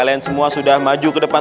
bahan selatan dikesan